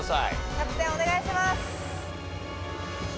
キャプテンお願いします。